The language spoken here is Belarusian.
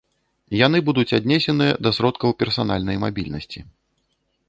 Яны будуць аднесеныя да сродкаў персанальнай мабільнасці.